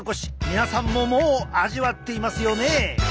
皆さんももう味わっていますよね！